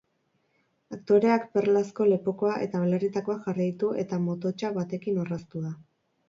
Aktoreak perlazko lepokoa eta belarritakoak jarri ditu eta mototsa batekin orraztu da.